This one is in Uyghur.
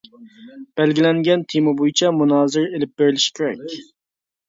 بەلگىلەنگەن تېما بويىچە مۇنازىرە ئېلىپ بېرىلىشى كېرەك!